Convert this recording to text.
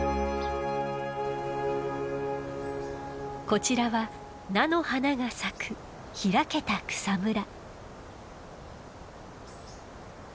こちらは菜の花が咲く開けた草むら。